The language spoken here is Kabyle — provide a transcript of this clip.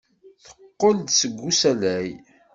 Teqqel-d seg usalay.